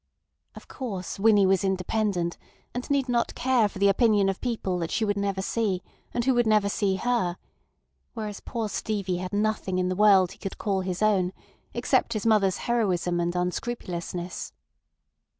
Of course, Winnie was independent, and need not care for the opinion of people that she would never see and who would never see her; whereas poor Stevie had nothing in the world he could call his own except his mother's heroism and unscrupulousness.